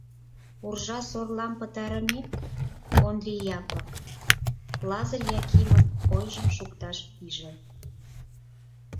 Уржа-сорлам пытарымек, Ондри Япык Лазыр Якимын ойжым шукташ пиже.